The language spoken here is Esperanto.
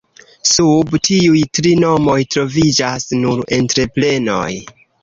Sub tiuj tri nomoj troviĝas nur entreprenoj.